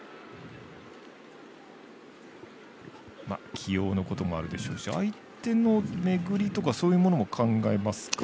起用のこともあるでしょうし相手の巡りとかそういうものも考えますかね。